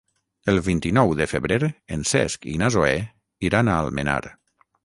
El vint-i-nou de febrer en Cesc i na Zoè iran a Almenar.